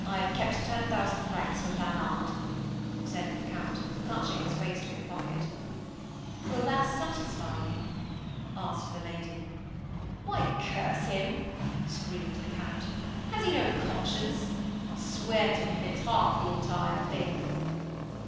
"I have kept ten thousand francs for Planard," said the Count, touching his waistcoat pocket. "Will that satisfy him?" asked the lady. "Why curse him!" screamed the Count. "Has he no conscience? I'll swear to him it's half the entire thing."